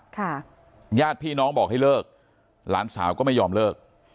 ญาติพี่น้องบอกให้เลิกหลานสาวก็ไม่ยอมเลิก